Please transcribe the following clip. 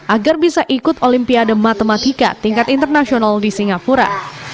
agar bisa ikut olimpiade matematika tingkat internasional di singapura